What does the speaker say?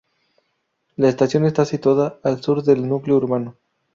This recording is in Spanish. La estación está situada al sur del núcleo urbano.